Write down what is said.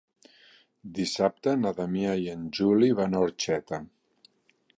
Dissabte na Damià i en Juli van a Orxeta.